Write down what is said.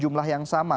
jumlah yang sama